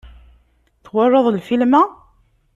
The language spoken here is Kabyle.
Twalaḍ lfilm-a?